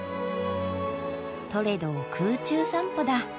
トレドを空中散歩だ。